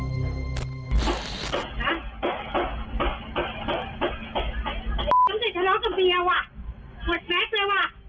ต้องติดทะเลาะกับเบียวอ่ะหมดแท็กซ์แล้วอ่ะ